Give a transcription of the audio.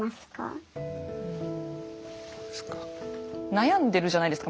悩んでるじゃないですか